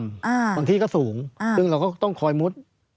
บางที่ก็สูงซึ่งเราก็ต้องคอยมุด